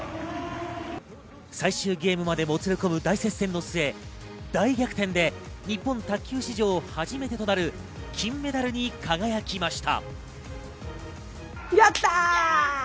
最終ゲームまでもつれ込む大接戦の末、大逆転で日本卓球史上、初めてとなる金メダルに輝きました。